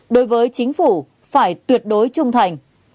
đối với chính phủ phải tuyệt đối trung thành